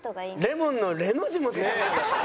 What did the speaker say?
「レモン」の「レ」の字も出てこなかったね。